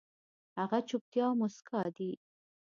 هغه چوپتيا او موسکا دي